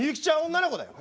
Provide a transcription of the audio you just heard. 女の子だよ。